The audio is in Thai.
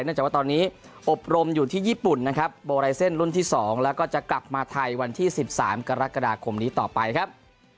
จากว่าตอนนี้อบรมอยู่ที่ญี่ปุ่นนะครับโบไลเซ็นรุ่นที่๒แล้วก็จะกลับมาไทยวันที่๑๓กรกฎาคมนี้ต่อไปครับ